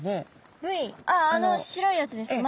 あああの白いやつですか？